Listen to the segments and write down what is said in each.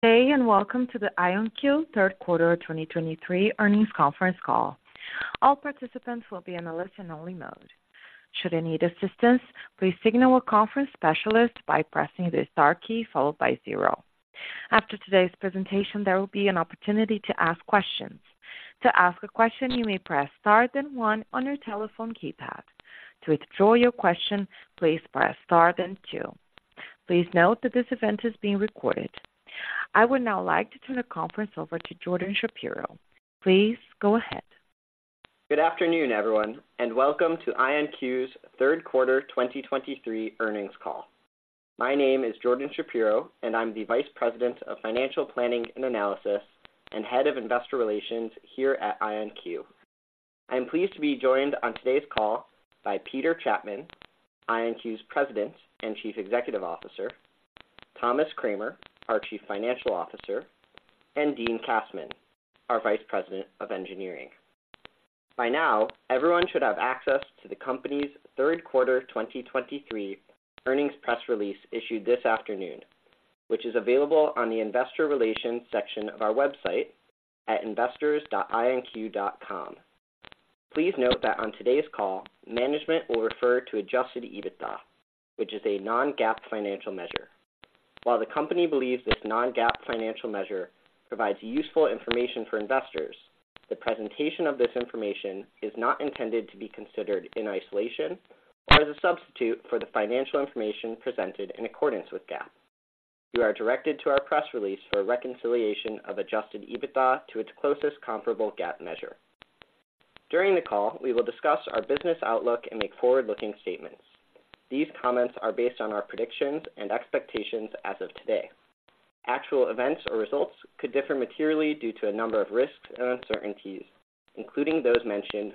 Good day, and welcome to the IonQ third quarter 2023 earnings conference call. All participants will be in a listen-only mode. Should I need assistance, please signal a conference specialist by pressing the star key followed by zero. After today's presentation, there will be an opportunity to ask questions. To ask a question, you may press star, then one on your telephone keypad. To withdraw your question, please press star, then two. Please note that this event is being recorded. I would now like to turn the conference over to Jordan Shapiro. Please go ahead. Good afternoon, everyone, and welcome to IonQ's third quarter 2023 earnings call. My name is Jordan Shapiro, and I'm the Vice President of Financial Planning and Analysis and Head of Investor Relations here at IonQ. I'm pleased to be joined on today's call by Peter Chapman, IonQ's President and Chief Executive Officer, Thomas Kramer, our Chief Financial Officer, and Dean Kassmann, our Vice President of Engineering. By now, everyone should have access to the company's third quarter 2023 earnings press release issued this afternoon, which is available on the Investor Relations section of our website at investors.ionq.com. Please note that on today's call, management will refer to Adjusted EBITDA, which is a non-GAAP financial measure. While the company believes this non-GAAP financial measure provides useful information for investors, the presentation of this information is not intended to be considered in isolation or as a substitute for the financial information presented in accordance with GAAP. You are directed to our press release for a reconciliation of Adjusted EBITDA to its closest comparable GAAP measure. During the call, we will discuss our business outlook and make forward-looking statements. These comments are based on our predictions and expectations as of today. Actual events or results could differ materially due to a number of risks and uncertainties, including those mentioned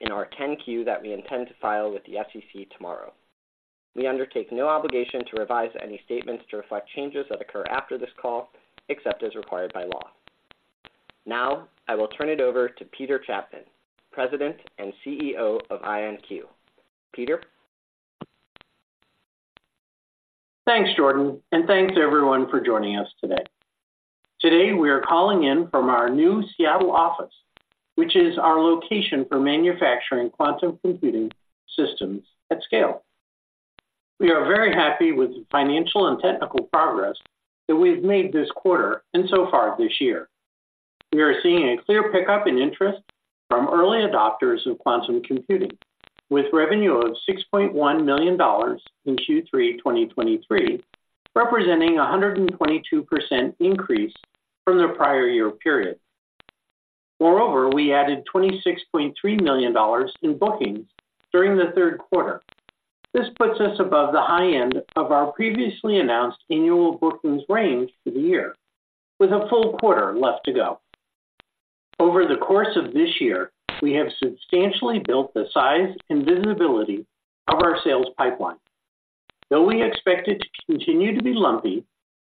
in our 10-Q that we intend to file with the SEC tomorrow. We undertake no obligation to revise any statements to reflect changes that occur after this call, except as required by law. Now, I will turn it over to Peter Chapman, President and CEO of IonQ. Peter? Thanks, Jordan, and thanks, everyone, for joining us today. Today, we are calling in from our new Seattle office, which is our location for manufacturing quantum computing systems at scale. We are very happy with the financial and technical progress that we've made this quarter and so far this year. We are seeing a clear pickup in interest from early adopters of quantum computing, with revenue of $6.1 million in Q3 2023, representing a 122% increase from the prior year period. Moreover, we added $26.3 million in bookings during the third quarter. This puts us above the high end of our previously announced annual bookings range for the year, with a full quarter left to go. Over the course of this year, we have substantially built the size and visibility of our sales pipeline. Though we expect it to continue to be lumpy,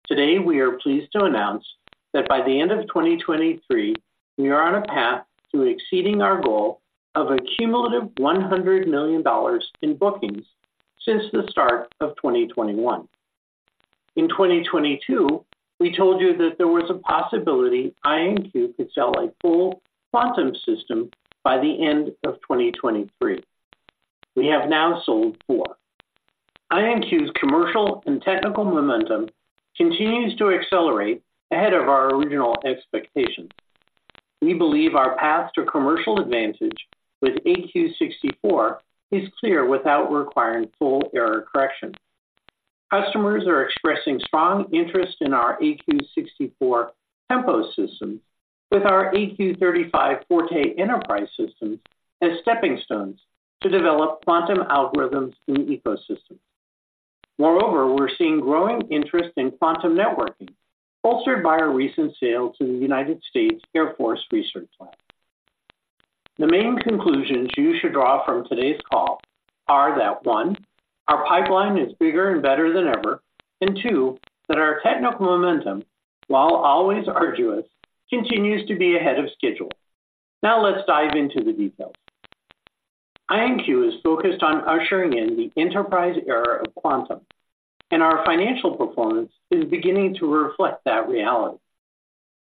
today we are pleased to announce that by the end of 2023, we are on a path to exceeding our goal of a cumulative $100 million in bookings since the start of 2021. In 2022, we told you that there was a possibility IonQ could sell a full quantum system by the end of 2023. We have now sold four. IonQ's commercial and technical momentum continues to accelerate ahead of our original expectations. We believe our path to commercial advantage with AQ 64 is clear without requiring full error correction. Customers are expressing strong interest in our AQ 64 Tempo system, with our AQ 35 Forte Enterprise systems as stepping stones to develop quantum algorithms and ecosystems. Moreover, we're seeing growing interest in quantum networking, bolstered by our recent sale to the United States Air Force Research Lab. The main conclusions you should draw from today's call are that, one, our pipeline is bigger and better than ever, and two, that our technical momentum, while always arduous, continues to be ahead of schedule. Now, let's dive into the details. IonQ is focused on ushering in the enterprise era of quantum, and our financial performance is beginning to reflect that reality.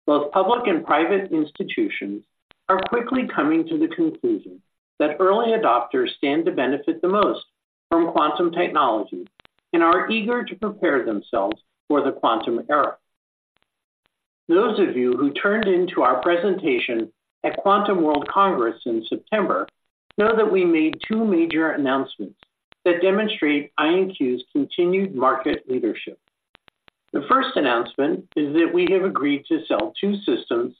Both public and private institutions are quickly coming to the conclusion that early adopters stand to benefit the most from quantum technology and are eager to prepare themselves for the quantum era. Those of you who tuned in to our presentation at Quantum World Congress in September know that we made two major announcements that demonstrate IonQ's continued market leadership. The first announcement is that we have agreed to sell two systems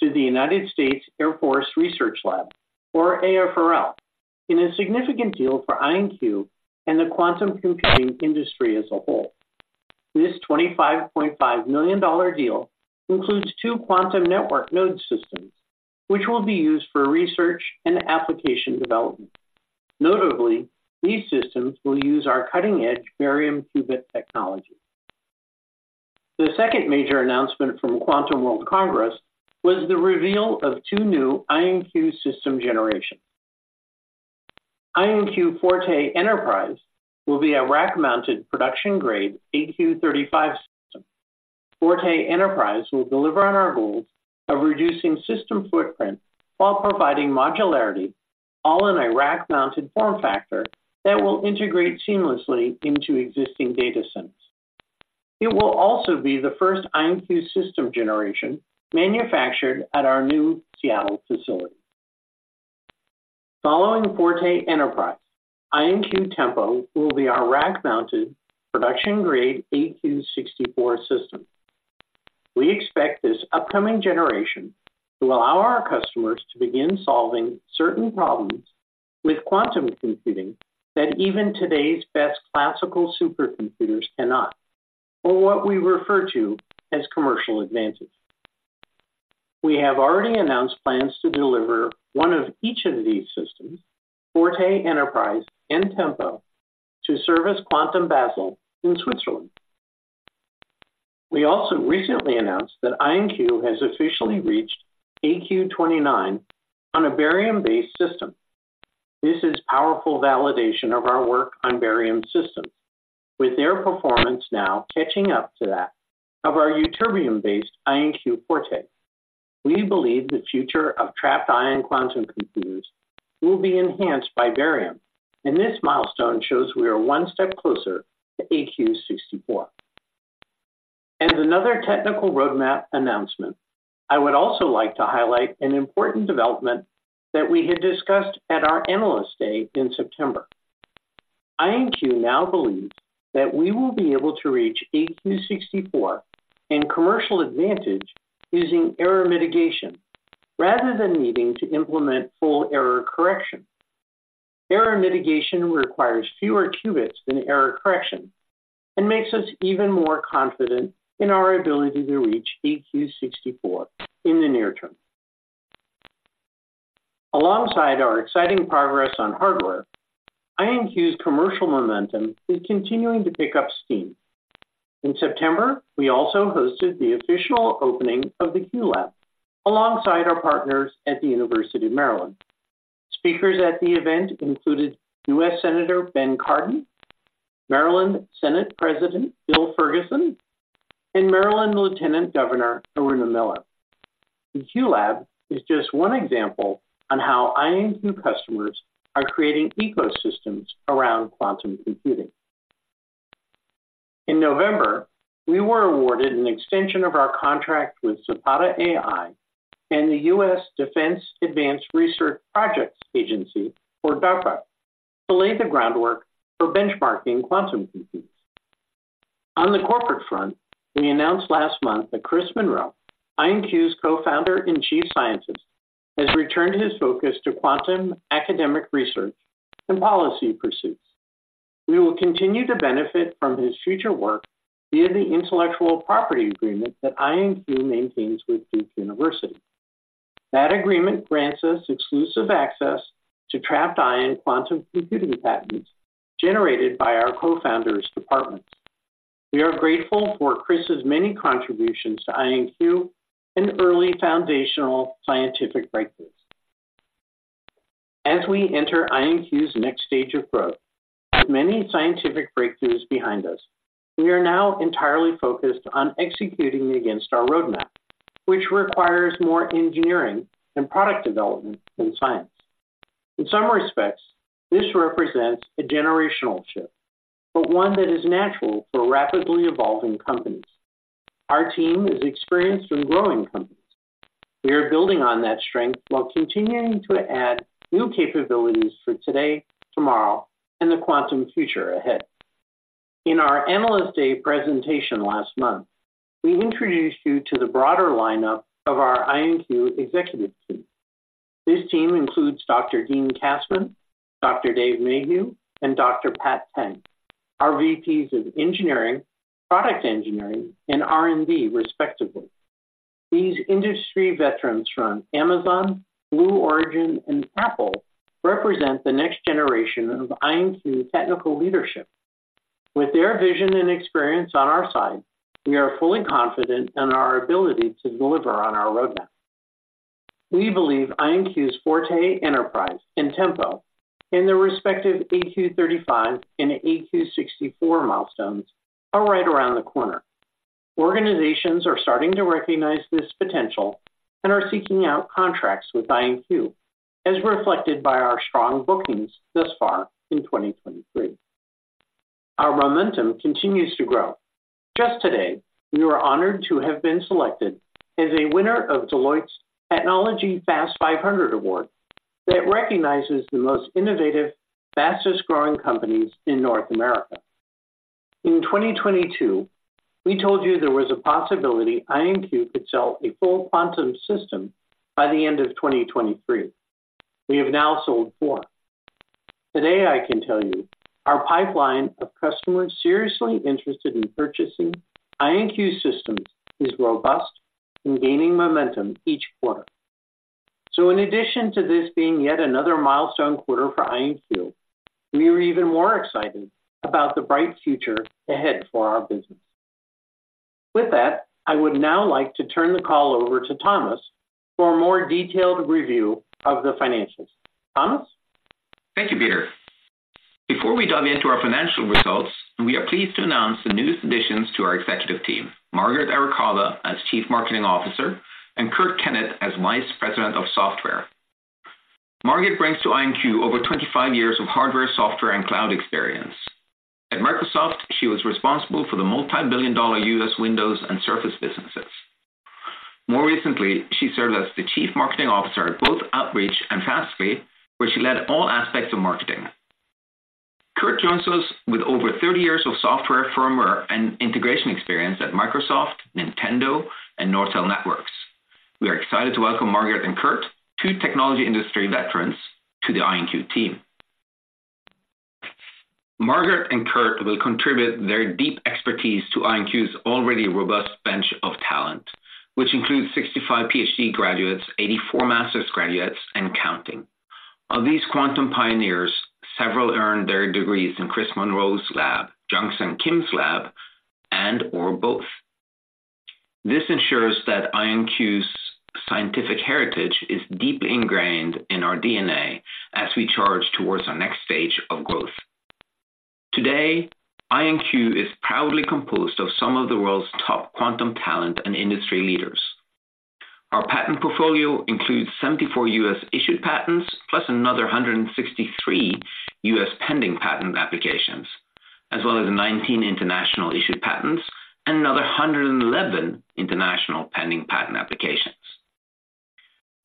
to the United States Air Force Research Lab, or AFRL, in a significant deal for IonQ and the quantum computing industry as a whole. This $25.5 million deal includes two quantum network node systems, which will be used for research and application development. Notably, these systems will use our cutting-edge barium qubit technology. The second major announcement from Quantum World Congress was the reveal of two new IonQ system generations. IonQ Forte Enterprise will be a rack-mounted production-grade AQ 35 system. Forte Enterprise will deliver on our goals of reducing system footprint while providing modularity, all in a rack-mounted form factor that will integrate seamlessly into existing data centers. It will also be the first IonQ system generation manufactured at our new Seattle facility. Following Forte Enterprise, IonQ Tempo will be our rack-mounted production-grade AQ 64 system. We expect this upcoming generation to allow our customers to begin solving certain problems with quantum computing that even today's best classical supercomputers cannot, or what we refer to as commercial advantage. We have already announced plans to deliver one of each of these systems, Forte Enterprise and Tempo, to service Quantum Basel in Switzerland. We also recently announced that IonQ has officially reached AQ 29 on a barium-based system. This is powerful validation of our work on barium systems, with their performance now catching up to that of our ytterbium-based IonQ Forte. We believe the future of trapped ion quantum computers will be enhanced by barium, and this milestone shows we are one step closer to AQ 64. As another technical roadmap announcement, I would also like to highlight an important development that we had discussed at our Analyst Day in September. IonQ now believes that we will be able to reach AQ 64 in commercial advantage using error mitigation, rather than needing to implement full error correction. Error mitigation requires fewer qubits than error correction and makes us even more confident in our ability to reach AQ 64 in the near term. Alongside our exciting progress on hardware, IonQ's commercial momentum is continuing to pick up steam. In September, we also hosted the official opening of the QLab, alongside our partners at the University of Maryland. Speakers at the event included U.S. Senator Ben Cardin, Maryland Senate President Bill Ferguson, and Maryland Lieutenant Governor Aruna Miller. The QLab is just one example on how IonQ customers are creating ecosystems around quantum computing. In November, we were awarded an extension of our contract with Zapata AI and the U.S. Defense Advanced Research Projects Agency, or DARPA, to lay the groundwork for benchmarking quantum computers. On the corporate front, we announced last month that Chris Monroe, IonQ's Co-founder and Chief Scientist, has returned his focus to quantum academic research and policy pursuits. We will continue to benefit from his future work via the intellectual property agreement that IonQ maintains with Duke University. That agreement grants us exclusive access to trapped ion quantum computing patents generated by our co-founder's department. We are grateful for Chris's many contributions to IonQ and early foundational scientific breakthroughs. As we enter IonQ's next stage of growth, with many scientific breakthroughs behind us, we are now entirely focused on executing against our roadmap, which requires more engineering and product development than science. In some respects, this represents a generational shift, but one that is natural for rapidly evolving companies. Our team is experienced in growing companies. We are building on that strength while continuing to add new capabilities for today, tomorrow, and the quantum future ahead. In our Analyst Day presentation last month, we introduced you to the broader lineup of our IonQ executive team. This team includes Dr. Dean Kassmann, Dr. Dave Mehuys, and Dr. Pat Tang, our VPs of Engineering, Product Engineering, and R&D, respectively. These industry veterans from Amazon, Blue Origin, and Apple represent the next generation of IonQ technical leadership. With their vision and experience on our side, we are fully confident in our ability to deliver on our roadmap. We believe IonQ's Forte Enterprise and Tempo, and their respective AQ 35 and AQ 64 milestones, are right around the corner. Organizations are starting to recognize this potential and are seeking out contracts with IonQ, as reflected by our strong bookings thus far in 2023. Our momentum continues to grow. Just today, we were honored to have been selected as a winner of Deloitte's Technology Fast 500 Award that recognizes the most innovative, fastest-growing companies in North America. In 2022, we told you there was a possibility IonQ could sell a full quantum system by the end of 2023. We have now sold four. Today, I can tell you our pipeline of customers seriously interested in purchasing IonQ systems is robust and gaining momentum each quarter. So in addition to this being yet another milestone quarter for IonQ, we are even more excited about the bright future ahead for our business. With that, I would now like to turn the call over to Thomas for a more detailed review of the financials. Thomas? Thank you, Peter. Before we dive into our financial results, we are pleased to announce the newest additions to our executive team: Margaret Arakawa as Chief Marketing Officer and Kurt Kennett as Vice President of Software. Margaret brings to IonQ over 25 years of hardware, software, and cloud experience. At Microsoft, she was responsible for the multi-billion-dollar U.S. Windows and Surface businesses. More recently, she served as the Chief Marketing Officer at both Outreach and Fastly, where she led all aspects of marketing. Kurt joins us with over 30 years of software, firmware, and integration experience at Microsoft, Nintendo, and Nortel Networks. We are excited to welcome Margaret and Kurt, two technology industry veterans, to the IonQ team. Margaret and Kurt will contribute their deep expertise to IonQ's already robust bench of talent, which includes 65 PhD graduates, 84 master's graduates, and counting. Of these quantum pioneers, several earned their degrees in Chris Monroe's lab, Jungsang Kim's lab, and/or both. This ensures that IonQ's scientific heritage is deeply ingrained in our DNA as we charge towards our next stage of growth. Today, IonQ is proudly composed of some of the world's top quantum talent and industry leaders. Our patent portfolio includes 74 U.S.-issued patents, plus another 163 U.S. pending patent applications, as well as 19 international issued patents and another 111 international pending patent applications.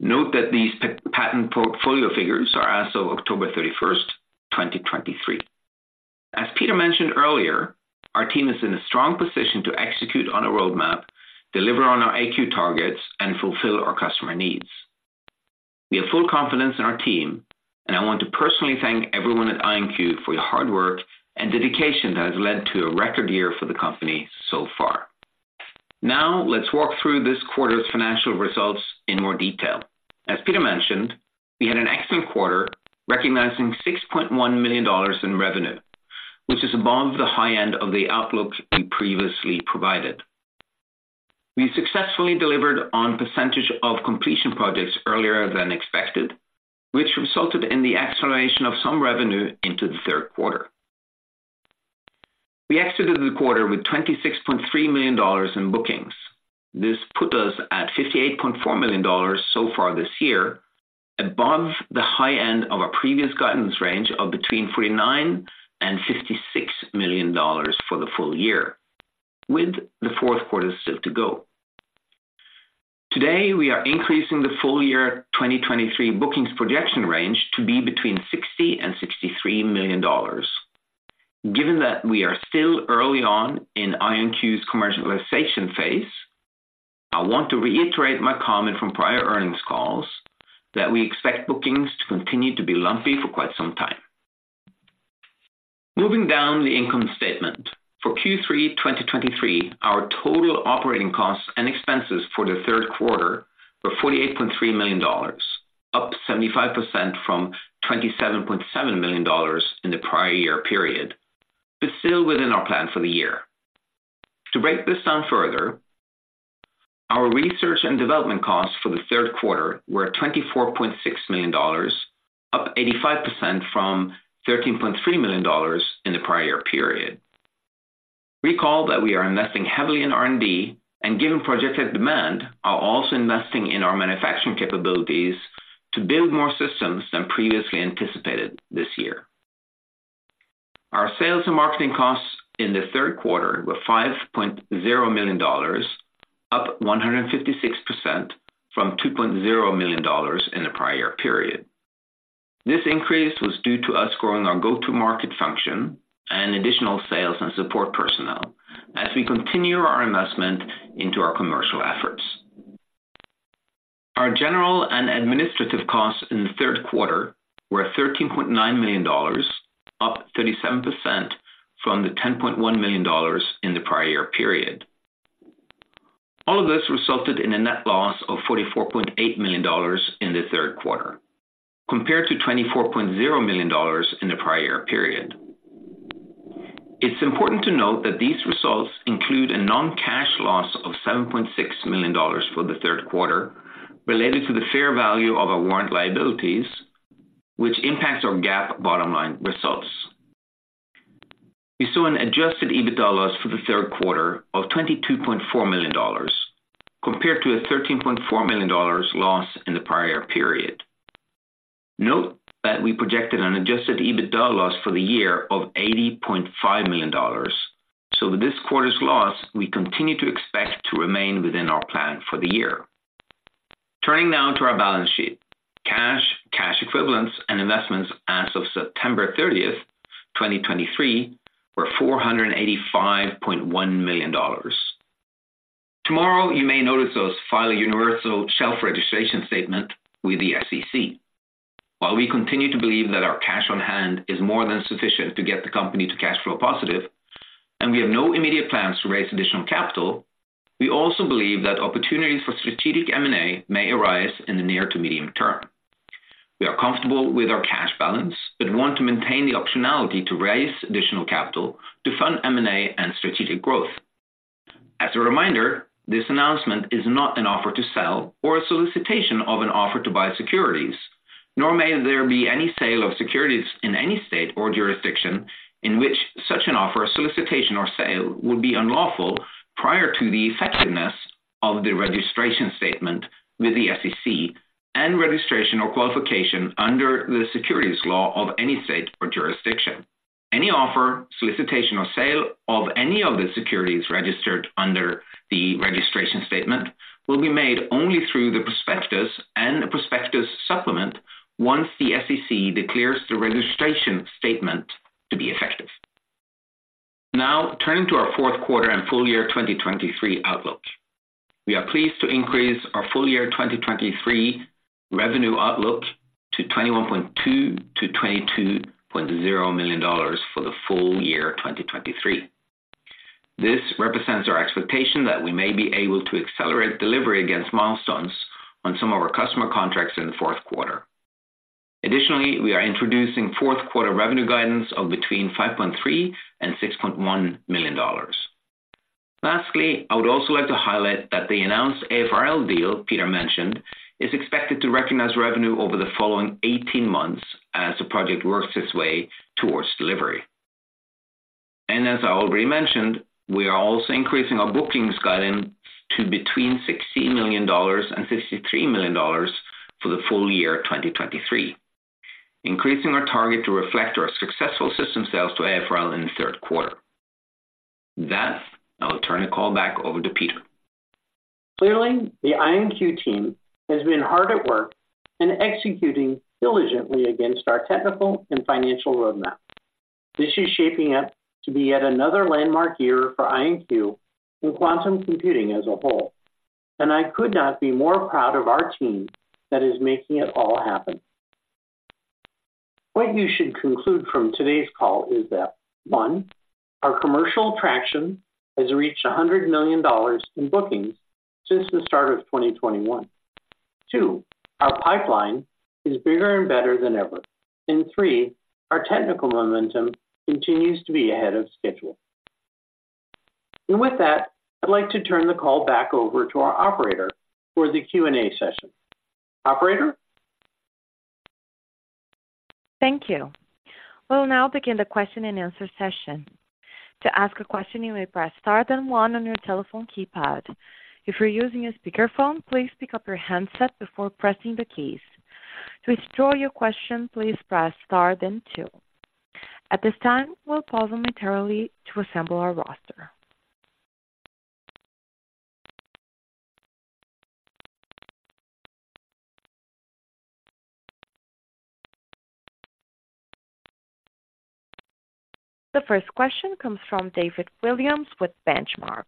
Note that these patent portfolio figures are as of October 31, 2023. As Peter mentioned earlier, our team is in a strong position to execute on a roadmap, deliver on our AQ targets and fulfill our customer needs. We have full confidence in our team, and I want to personally thank everyone at IonQ for your hard work and dedication that has led to a record year for the company so far. Now, let's walk through this quarter's financial results in more detail. As Peter mentioned, we had an excellent quarter, recognizing $6.1 million in revenue, which is above the high end of the outlook we previously provided. We successfully delivered on percentage of completion projects earlier than expected, which resulted in the acceleration of some revenue into the third quarter. We exited the quarter with $26.3 million in bookings. This put us at $58.4 million so far this year, above the high end of our previous guidance range of between $49 million and $56 million for the full year, with the fourth quarter still to go. Today, we are increasing the full year 2023 bookings projection range to be between $60 million and $63 million. Given that we are still early on in IonQ's commercialization phase, I want to reiterate my comment from prior earnings calls that we expect bookings to continue to be lumpy for quite some time. Moving down the income statement. For Q3 2023, our total operating costs and expenses for the third quarter were $48.3 million, up 75% from $27.7 million in the prior year period, but still within our plan for the year. To break this down further, our research and development costs for the third quarter were $24.6 million, up 85% from $13.3 million in the prior period. Recall that we are investing heavily in R&D, and given projected demand, are also investing in our manufacturing capabilities to build more systems than previously anticipated this year. Our sales and marketing costs in the third quarter were $5.0 million, up 156% from $2.0 million in the prior period. This increase was due to us growing our go-to-market function and additional sales and support personnel as we continue our investment into our commercial efforts. Our general and administrative costs in the third quarter were $13.9 million, up 37% from the $10.1 million in the prior period. All of this resulted in a net loss of $44.8 million in the third quarter, compared to $24.0 million in the prior period. It's important to note that these results include a non-cash loss of $7.6 million for the third quarter, related to the fair value of our warrant liabilities, which impacts our GAAP bottom line results. We saw an Adjusted EBITDA loss for the third quarter of $22.4 million, compared to a $13.4 million loss in the prior period. Note that we projected an Adjusted EBITDA loss for the year of $80.5 million. So with this quarter's loss, we continue to expect to remain within our plan for the year. Turning now to our balance sheet. Cash, cash equivalents, and investments as of September 30, 2023, were $485.1 million. Tomorrow, you may notice us file a Universal shelf registration statement with the SEC. While we continue to believe that our cash on hand is more than sufficient to get the company to cash flow positive, and we have no immediate plans to raise additional capital, we also believe that opportunities for strategic M&A may arise in the near to medium term... We are comfortable with our cash balance, but want to maintain the optionality to raise additional capital to fund M&A and strategic growth. As a reminder, this announcement is not an offer to sell or a solicitation of an offer to buy securities, nor may there be any sale of securities in any state or jurisdiction in which such an offer, solicitation, or sale would be unlawful prior to the effectiveness of the registration statement with the SEC and registration or qualification under the securities law of any state or jurisdiction. Any offer, solicitation, or sale of any of the securities registered under the registration statement will be made only through the prospectus and the prospectus supplement once the SEC declares the registration statement to be effective. Now, turning to our fourth quarter and full year 2023 outlook. We are pleased to increase our full year 2023 revenue outlook to $21.2 million-$22.0 million for the full year 2023. This represents our expectation that we may be able to accelerate delivery against milestones on some of our customer contracts in the fourth quarter. Additionally, we are introducing fourth quarter revenue guidance of between $5.3 million and $6.1 million. Lastly, I would also like to highlight that the announced AFRL deal Peter mentioned is expected to recognize revenue over the following 18 months as the project works its way towards delivery. As I already mentioned, we are also increasing our bookings guidance to between $60 million and $53 million for the full year 2023, increasing our target to reflect our successful system sales to AFRL in the third quarter. With that, I'll turn the call back over to Peter. Clearly, the IonQ team has been hard at work and executing diligently against our technical and financial roadmap. This is shaping up to be yet another landmark year for IonQ in quantum computing as a whole, and I could not be more proud of our team that is making it all happen. What you should conclude from today's call is that, one, our commercial traction has reached $100 million in bookings since the start of 2021. Two, our pipeline is bigger and better than ever. And three, our technical momentum continues to be ahead of schedule. And with that, I'd like to turn the call back over to our operator for the Q&A session. Operator? Thank you. We'll now begin the question-and-answer session. To ask a question, you may press Star, then one on your telephone keypad. If you're using a speakerphone, please pick up your handset before pressing the keys. To withdraw your question, please press Star then two. At this time, we'll pause momentarily to assemble our roster. The first question comes from David Williams with Benchmark.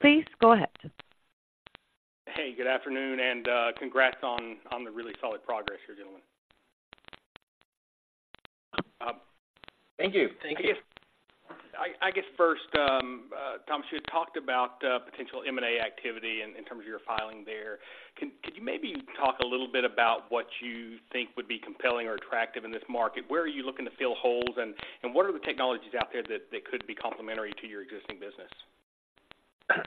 Please go ahead. Hey, good afternoon, and congrats on the really solid progress you're doing. Thank you. Thank you. I guess first, Thomas, you had talked about potential M&A activity in terms of your filing there. Could you maybe talk a little bit about what you think would be compelling or attractive in this market? Where are you looking to fill holes, and what are the technologies out there that could be complementary to your existing business?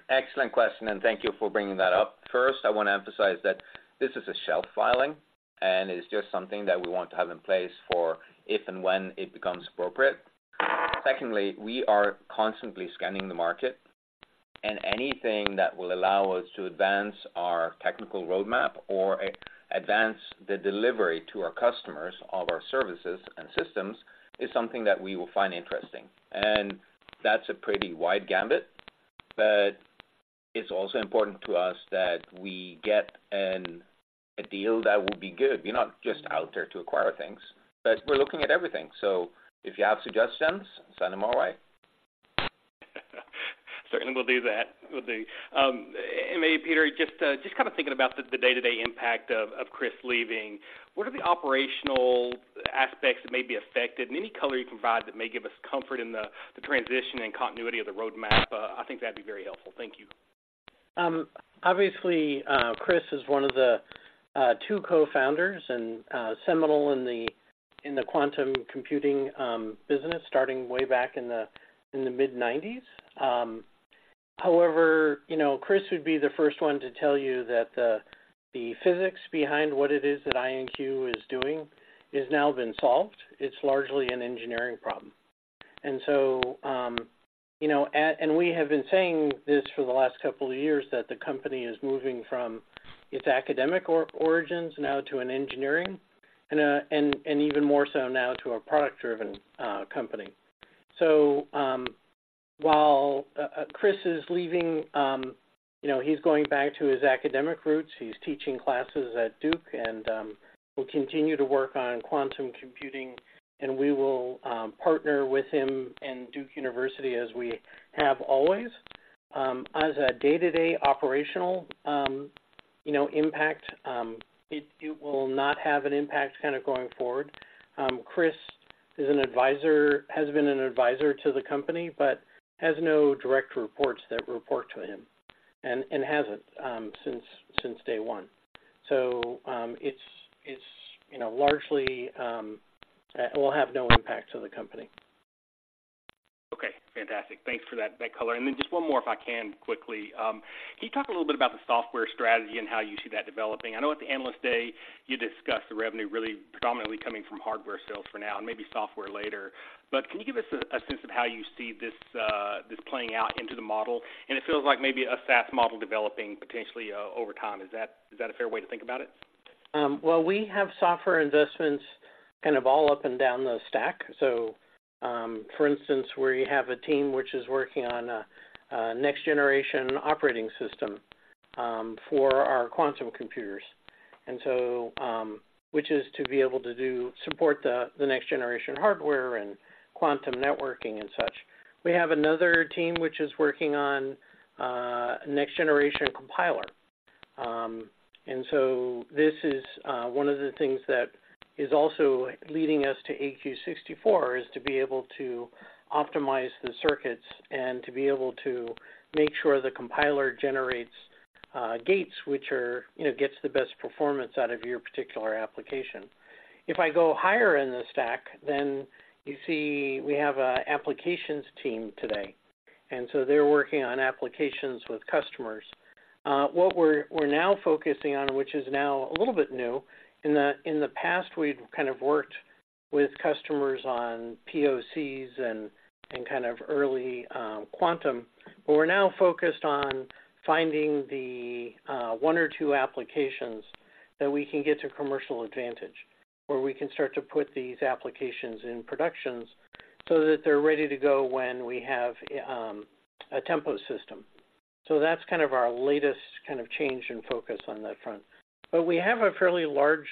Excellent question, and thank you for bringing that up. First, I want to emphasize that this is a shelf filing, and it's just something that we want to have in place for if and when it becomes appropriate. Secondly, we are constantly scanning the market and anything that will allow us to advance our technical roadmap or advance the delivery to our customers of our services and systems is something that we will find interesting. That's a pretty wide gamut, but it's also important to us that we get a deal that will be good. We're not just out there to acquire things, but we're looking at everything. So if you have suggestions, send them our way. Certainly, we'll do that. And maybe, Peter, just kind of thinking about the day-to-day impact of Chris leaving, what are the operational aspects that may be affected? And any color you can provide that may give us comfort in the transition and continuity of the roadmap, I think that'd be very helpful. Thank you. Obviously, Chris is one of the two cofounders and seminal in the quantum computing business, starting way back in the mid-1990s. However, you know, Chris would be the first one to tell you that the physics behind what it is that IonQ is doing has now been solved. It's largely an engineering problem. And so, you know, we have been saying this for the last couple of years, that the company is moving from its academic origins now to an engineering and, and even more so now to a product-driven company. So, while, Chris is leaving, you know, he's going back to his academic roots. He's teaching classes at Duke and will continue to work on quantum computing, and we will partner with him and Duke University as we have always. As a day-to-day operational, you know, impact, it will not have an impact kind of going forward. Chris is an advisor, has been an advisor to the company, but has no direct reports that report to him and hasn't since day one. So, it's you know largely will have no impact to the company. Okay, fantastic. Thanks for that, that color. And then just one more, if I can, quickly. Can you talk a little bit about the software strategy and how you see that developing? I know at the Analyst Day, you discussed the revenue really predominantly coming from hardware sales for now and maybe software later. But can you give us a sense of how you see this playing out into the model? And it feels like maybe a SaaS model developing potentially over time. Is that a fair way to think about it? Well, we have software investments kind of all up and down the stack. So, for instance, where you have a team which is working on a next generation operating system for our quantum computers, and so, which is to be able to do support the next generation hardware and quantum networking and such. We have another team which is working on next generation compiler. And so this is one of the things that is also leading us to AQ 64, is to be able to optimize the circuits and to be able to make sure the compiler generates gates, which are, you know, gets the best performance out of your particular application. If I go higher in the stack, then you see we have a applications team today, and so they're working on applications with customers. What we're now focusing on, which is now a little bit new, in the past, we've kind of worked with customers on POCs and kind of early quantum, but we're now focused on finding the one or two applications that we can get to commercial advantage, where we can start to put these applications in production so that they're ready to go when we have a Tempo system. So that's kind of our latest kind of change in focus on that front. But we have a fairly large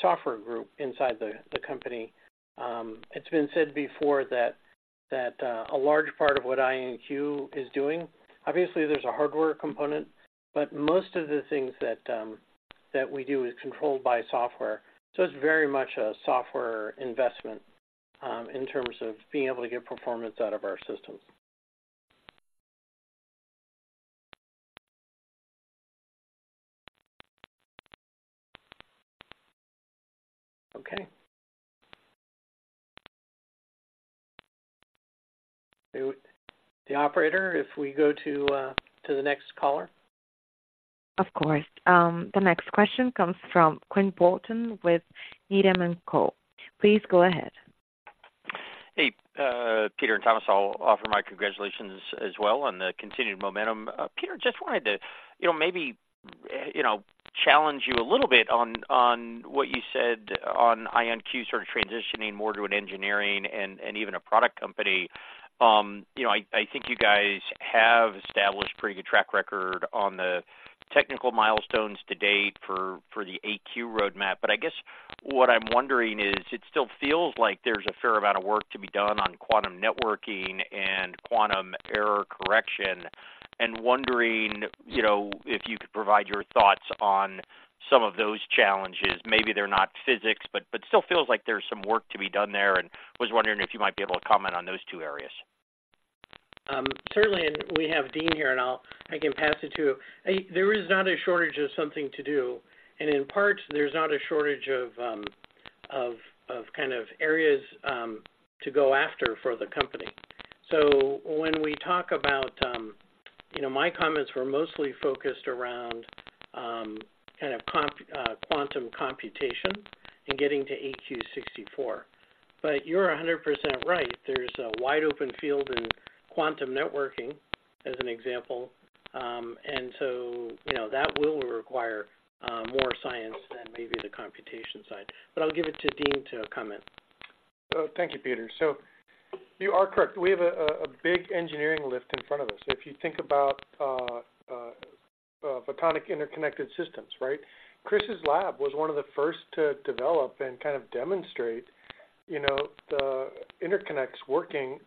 software group inside the company. It's been said before that a large part of what IonQ is doing, obviously there's a hardware component, but most of the things that we do is controlled by software. It's very much a software investment in terms of being able to get performance out of our systems. Okay. Operator, if we go to the next caller. Of course. The next question comes from Quinn Bolton with Needham & Company. Please go ahead. Hey, Peter and Thomas, I'll offer my congratulations as well on the continued momentum. Peter, just wanted to, you know, maybe, you know, challenge you a little bit on, on what you said on IonQ sort of transitioning more to an engineering and, and even a product company. You know, I think you guys have established a pretty good track record on the technical milestones to date for, for the AQ roadmap. But I guess what I'm wondering is, it still feels like there's a fair amount of work to be done on quantum networking and quantum error correction. And wondering, you know, if you could provide your thoughts on some of those challenges. Maybe they're not physics, but still feels like there's some work to be done there, and was wondering if you might be able to comment on those two areas. Certainly. And we have Dean here, and I'll pass it to you. There is not a shortage of something to do, and in parts, there's not a shortage of kind of areas to go after for the company. So when we talk about... You know, my comments were mostly focused around kind of comp quantum computation and getting to AQ 64. But you're 100% right. There's a wide open field in quantum networking, as an example. And so, you know, that will require more science than maybe the computation side. But I'll give it to Dean to comment. Thank you, Peter. So you are correct. We have a big engineering lift in front of us. If you think about photonic interconnected systems, right? Chris's lab was one of the first to develop and kind of demonstrate, you know, the interconnects working,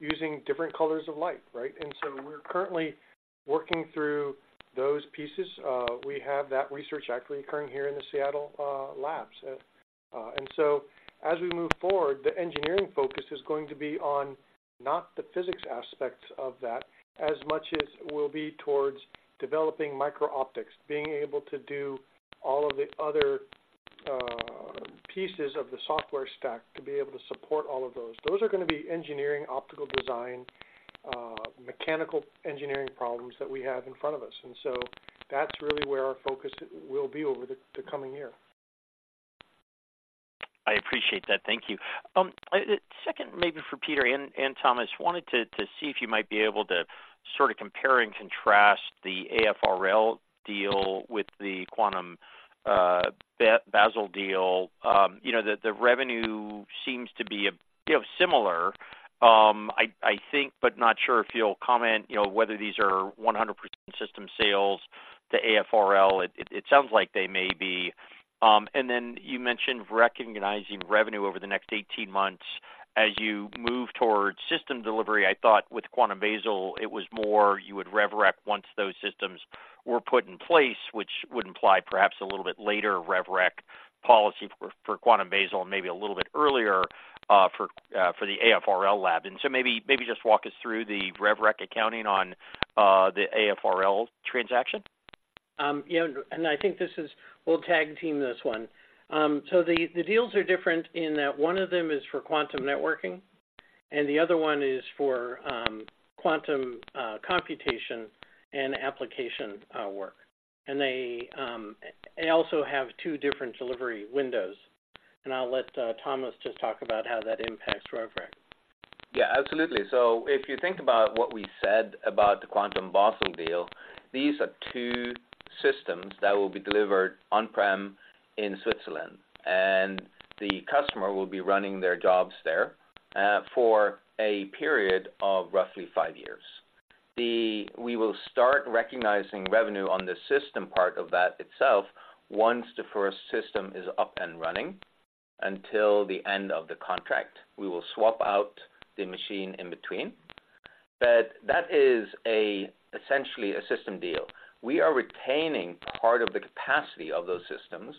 using different colors of light, right? And so we're currently working through those pieces. We have that research actually occurring here in the Seattle labs. And so as we move forward, the engineering focus is going to be on not the physics aspects of that, as much as will be towards developing micro optics, being able to do all of the other pieces of the software stack, to be able to support all of those. Those are gonna be engineering, optical design, mechanical engineering problems that we have in front of us, and so that's really where our focus will be over the coming year. I appreciate that. Thank you. Second, maybe for Peter and Thomas. Wanted to see if you might be able to sort of compare and contrast the AFRL deal with the Quantum Basel deal. You know, the revenue seems to be, you know, similar. I think, but not sure if you'll comment, you know, whether these are 100% system sales to AFRL. It sounds like they may be. And then you mentioned recognizing revenue over the next 18 months as you move towards system delivery. I thought with Quantum Basel, it was more you would rev rec once those systems were put in place, which would imply perhaps a little bit later rev rec policy for Quantum Basel and maybe a little bit earlier for the AFRL lab. And so maybe, maybe just walk us through the rev rec accounting on the AFRL transaction. Yeah, and I think we'll tag team this one. So the deals are different in that one of them is for quantum networking, and the other one is for quantum computation and application work. And they also have two different delivery windows. And I'll let Thomas just talk about how that impacts rev rec. Yeah, absolutely. So if you think about what we said about the Quantum Basel deal, these are two systems that will be delivered on-prem in Switzerland, and the customer will be running their jobs there for a period of roughly five years. We will start recognizing revenue on the system part of that itself once the first system is up and running until the end of the contract. We will swap out the machine in between. But that is, essentially, a system deal. We are retaining part of the capacity of those systems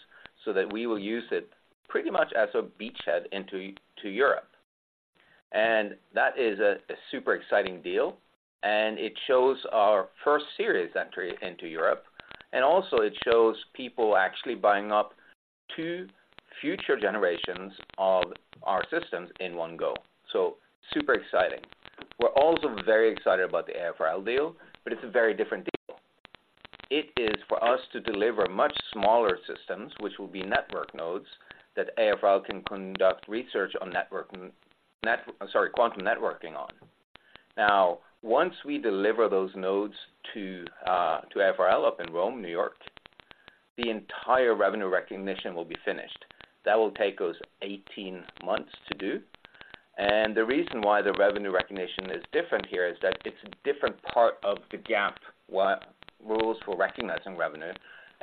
so that we will use it pretty much as a beachhead into Europe. And that is a super exciting deal, and it shows our first serious entry into Europe. And also it shows people actually buying up two future generations of our systems in one go. So super exciting. We're also very excited about the AFRL deal, but it's a very different deal. It is for us to deliver much smaller systems, which will be network nodes, that AFRL can conduct research on quantum networking on. Now, once we deliver those nodes to AFRL up in Rome, New York, the entire revenue recognition will be finished. That will take us 18 months to do. And the reason why the revenue recognition is different here is that it's a different part of the GAAP, what rules for recognizing revenue,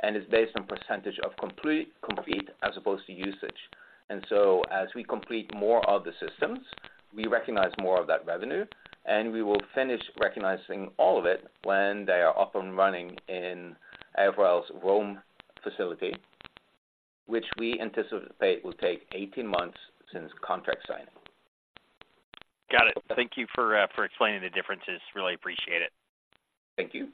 and it's based on percentage of completion as opposed to usage. And so as we complete more of the systems, we recognize more of that revenue, and we will finish recognizing all of it when they are up and running in AFRL's Rome facility, which we anticipate will take 18 months since contract signing. Got it. Thank you for explaining the differences. Really appreciate it. Thank you.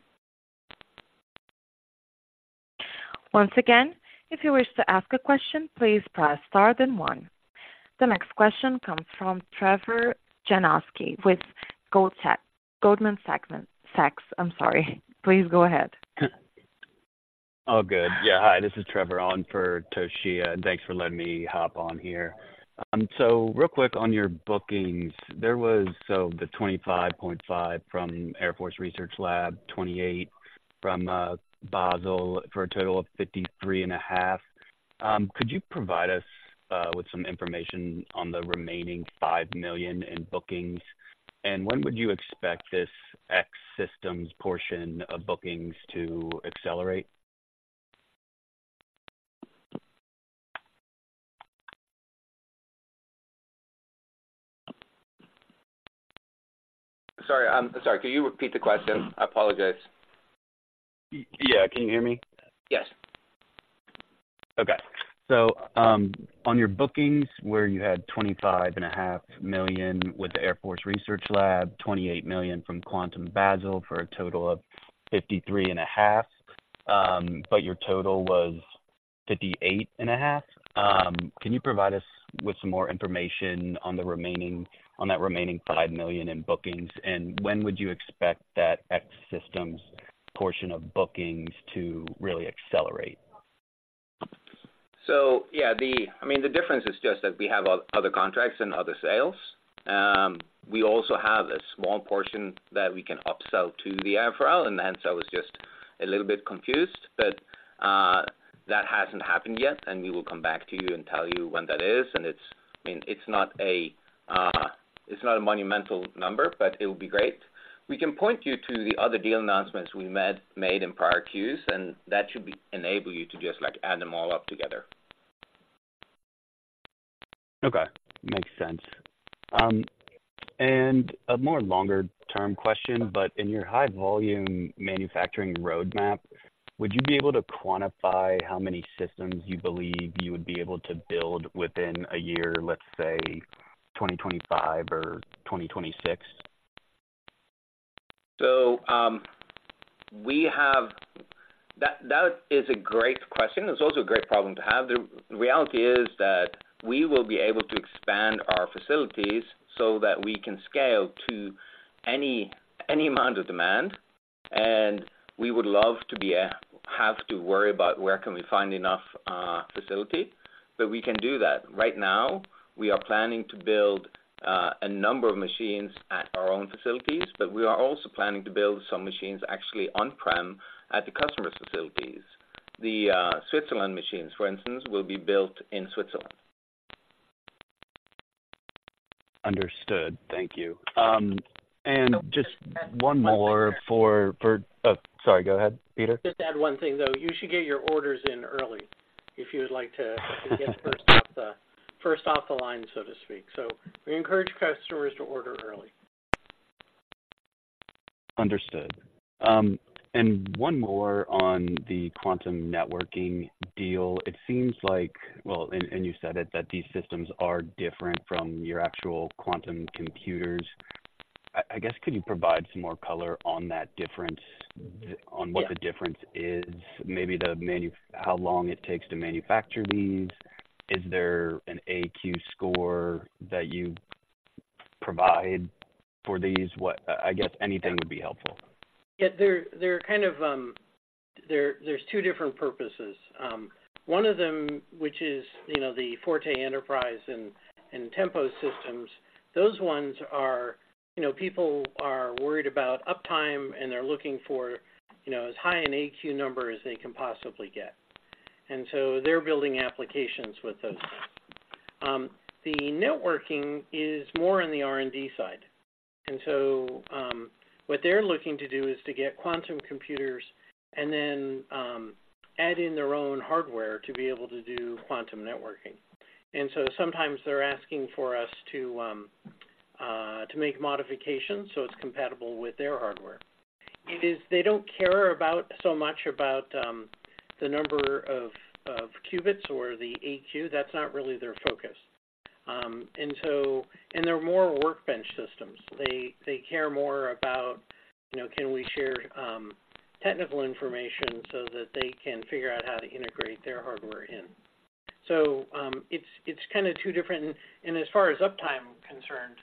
Once again, if you wish to ask a question, please press star, then one. The next question comes from Trevor Janoskie with Goldman Sachs. I'm sorry. Please go ahead. Oh, good. Yeah, hi, this is Trevor on for Toshiya, and thanks for letting me hop on here. So real quick on your bookings, there was the $25.5 million from Air Force Research Lab, $28 million from Basel, for a total of $53.5 million. Could you provide us with some information on the remaining $5 million in bookings? And when would you expect this AQ systems portion of bookings to accelerate? Sorry, sorry, can you repeat the question? I apologize. Yeah, can you hear me? Yes. Okay. So, on your bookings, where you had $25.5 million with the Air Force Research Lab, $28 million from Quantum Basel for a total of $53.5 million, but your total was $58.5 million. Can you provide us with some more information on the remaining, on that remaining $5 million in bookings? And when would you expect that X systems portion of bookings to really accelerate? So yeah, I mean, the difference is just that we have other contracts and other sales. We also have a small portion that we can upsell to the AFRL, and then so it's just a little bit confused, but that hasn't happened yet, and we will come back to you and tell you when that is. And it's, I mean, it's not a monumental number, but it will be great. We can point you to the other deal announcements we made in prior Qs, and that should enable you to just, like, add them all up together. Okay, makes sense. A more longer-term question, but in your high volume manufacturing roadmap, would you be able to quantify how many systems you believe you would be able to build within a year, let's say, 2025 or 2026? So, that is a great question. It's also a great problem to have. The reality is that we will be able to expand our facilities so that we can scale to any amount of demand, and we would love to be have to worry about where can we find enough facility, but we can do that. Right now, we are planning to build a number of machines at our own facilities, but we are also planning to build some machines actually on-prem at the customer's facilities. The Switzerland machines, for instance, will be built in Switzerland. Understood. Thank you. And just one more for. Sorry, go ahead, Peter. Just add one thing, though. You should get your orders in early if you would like to get first off the line, so to speak. So we encourage customers to order early. Understood. And one more on the quantum networking deal. It seems like—well, and you said it, that these systems are different from your actual quantum computers. I guess, could you provide some more color on that difference, on what- Yes. The difference is? Maybe how long it takes to manufacture these. Is there an AQ score that you provide for these? What, I guess anything would be helpful. Yeah. They're kind of there, there's two different purposes. One of them, which is, you know, the Forte Enterprise and Tempo systems, those ones are, you know, people are worried about uptime, and they're looking for, you know, as high an AQ number as they can possibly get. And so they're building applications with those. The networking is more on the R&D side. And so what they're looking to do is to get quantum computers and then add in their own hardware to be able to do quantum networking. And so sometimes they're asking for us to make modifications, so it's compatible with their hardware. It is. They don't care so much about the number of qubits or the AQ. That's not really their focus. And they're more workbench systems. They, they care more about, you know, can we share technical information so that they can figure out how to integrate their hardware in. So, it's, it's kind of two different... And as far as uptime concerned,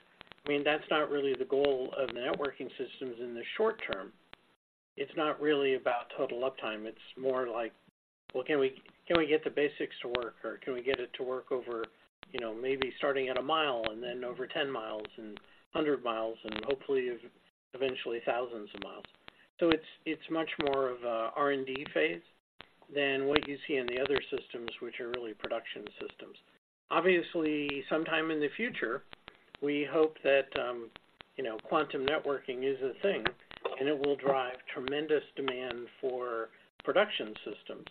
I mean, that's not really the goal of networking systems in the short term. It's not really about total uptime. It's more like, well, can we, can we get the basics to work, or can we get it to work over, you know, maybe starting at a mile and then over 10 miles and 100 miles and hopefully eventually thousands of miles. So it's, it's much more of a R&D phase than what you see in the other systems, which are really production systems. Obviously, sometime in the future, we hope that, you know, quantum networking is a thing, and it will drive tremendous demand for production systems.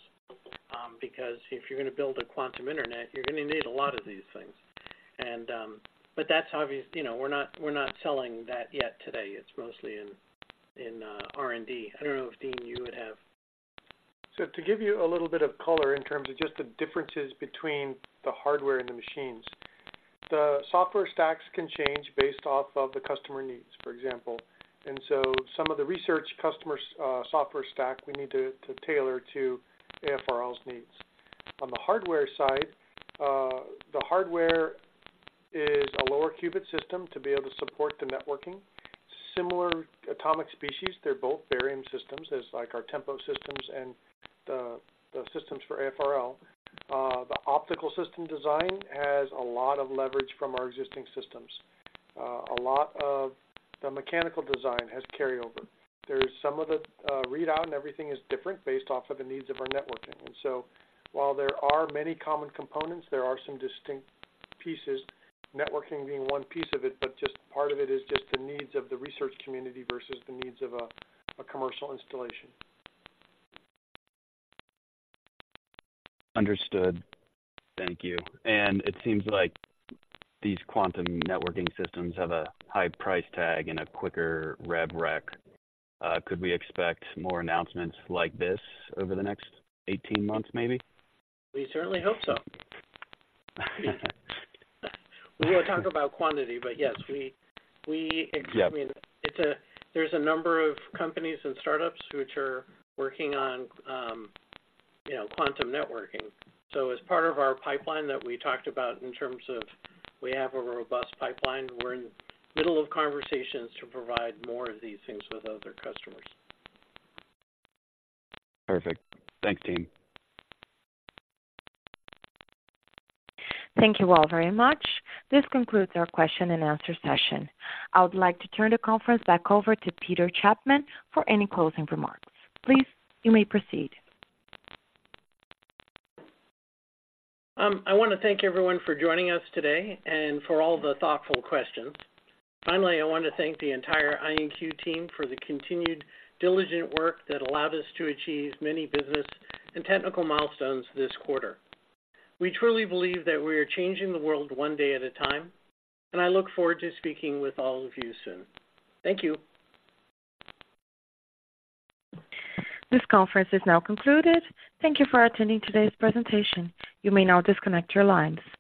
Because if you're gonna build a quantum internet, you're gonna need a lot of these things. But that's obvious. You know, we're not, we're not selling that yet today. It's mostly in R&D. I don't know if, Dean, you would have- So to give you a little bit of color in terms of just the differences between the hardware and the machines, the software stacks can change based off of the customer needs, for example. And so some of the research customer software stack, we need to tailor to AFRL's needs. On the hardware side, the hardware is a lower qubit system to be able to support the networking. Similar atomic species, they're both barium systems, as like our Tempo systems and the systems for AFRL. The optical system design has a lot of leverage from our existing systems. A lot of the mechanical design has carryover. There is some of the readout, and everything is different based off of the needs of our networking. And so, while there are many common components, there are some distinct pieces, networking being one piece of it, but just part of it is just the needs of the research community versus the needs of a commercial installation. Understood. Thank you. It seems like these quantum networking systems have a high price tag and a quicker rev rec. Could we expect more announcements like this over the next 18 months, maybe? We certainly hope so. We won't talk about quantity, but yes, we Yep. I mean, there's a number of companies and startups which are working on, you know, quantum networking. So as part of our pipeline that we talked about in terms of we have a robust pipeline, we're in the middle of conversations to provide more of these things with other customers. Perfect. Thanks, team. Thank you all very much. This concludes our question and answer session. I would like to turn the conference back over to Peter Chapman for any closing remarks. Please, you may proceed. I want to thank everyone for joining us today and for all the thoughtful questions. Finally, I want to thank the entire IonQ team for the continued diligent work that allowed us to achieve many business and technical milestones this quarter. We truly believe that we are changing the world one day at a time, and I look forward to speaking with all of you soon. Thank you. This conference is now concluded. Thank you for attending today's presentation. You may now disconnect your lines.